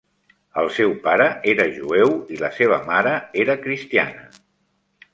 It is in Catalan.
El seu pare era jueu i la seva mare era cristiana.